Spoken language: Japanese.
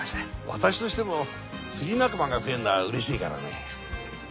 私としても釣り仲間が増えるのは嬉しいからね。